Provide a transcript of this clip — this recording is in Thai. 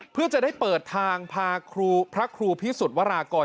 เพื่อจะได้เปิดทางพาพระครูพิสุทธิวรากร